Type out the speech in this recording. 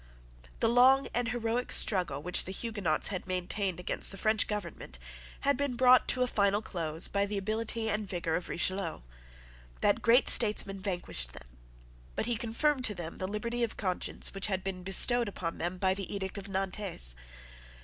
The long and heroic struggle which the Huguenots had maintained against the French government had been brought to a final close by the ability and vigour of Richelieu. That great statesman vanquished them; but he confirmed to them the liberty of conscience which had been bestowed on them by the edict of Nantes.